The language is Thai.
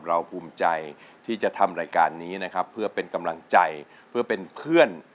ภูมิใจที่จะทำรายการนี้นะครับเพื่อเป็นกำลังใจเพื่อเป็นเพื่อน